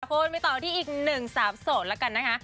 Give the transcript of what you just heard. คุณไปต่อที่อีกหนึ่งสาวโสดแล้วกันนะคะ